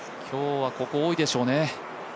今日はここ多いでしょうね。